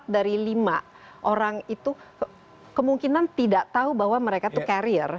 empat dari lima orang itu kemungkinan tidak tahu bahwa mereka itu carrier